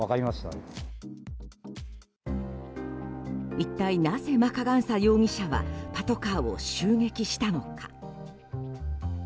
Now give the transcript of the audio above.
一体なぜマカガンサ容疑者はパトカーを襲撃したのか。